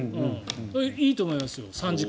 いいと思いますよ、３時間。